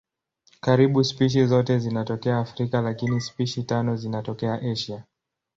Karibu spishi zote zinatokea Afrika lakini spishi tano zinatokea Asia.